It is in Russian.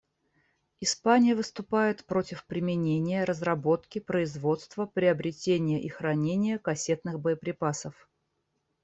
Испания выступает против применения, разработки, производства, приобретения и хранения кассетных боеприпасов.